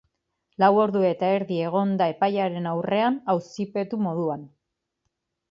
Lau ordu eta erdi egon da epailearen aurrean, auzipetu moduan.